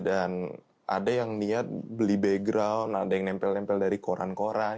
dan ada yang niat beli background ada yang nempel nempel dari koran koran